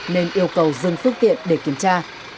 nên yêu cầu dừng phương tiện để kiểm tra